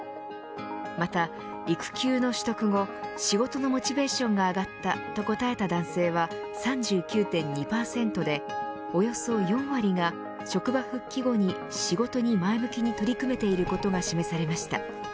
また、育休の取得後仕事のモチベーションが上がったと答えた男性は３９．２％でおよそ４割が職場復帰後に仕事に前向きに取り組めていることが示されました。